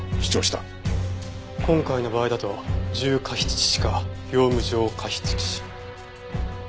今回の場合だと重過失致死か業務上過失致死。